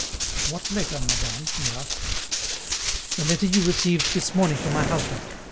"What letter, madame?" he asked. "The letter you received this morning for my husband.